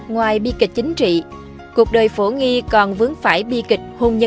ngoài bi kịch chính trị cuộc đời phổ nghi còn vướng phải bi kịch hôn nhân